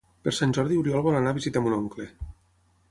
Per Sant Jordi n'Oriol vol anar a visitar mon oncle.